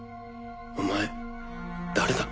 お前誰だ？